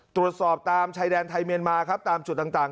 ตรวจสอบตามชายแดนไทยเมียนมาครับตามจุดต่าง